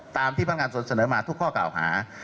ตามที่พันธ์การส่งเสนอมาทุกข้อเก่าภาพ